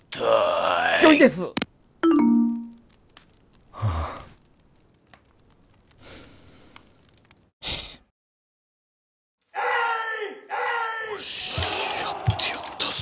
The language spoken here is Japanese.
おしやってやったぞ。